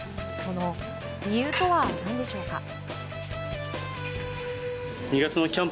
その理由とは何でしょうか。